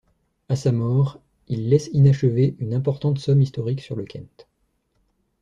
À sa mort, il laisse inachevée une importante somme historique sur le Kent.